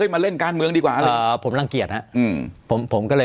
๕๔ไม่เคยคิดเลยว่า